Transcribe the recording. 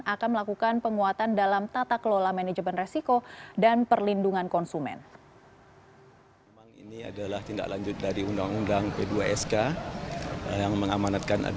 akan melakukan penguatan dalam tata kelola manajemen resiko dan perlindungan konsumen